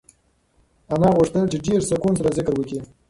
انا غوښتل چې په ډېر سکون سره ذکر وکړي.